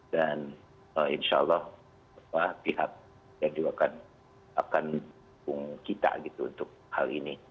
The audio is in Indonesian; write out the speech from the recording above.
dan insyaallah pihak yang juga akan dukung kita gitu untuk hal ini